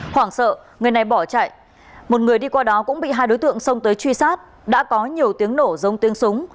hoảng sợ người này bỏ chạy một người đi qua đó cũng bị hai đối tượng xông tới truy sát đã có nhiều tiếng nổ giống tiếng súng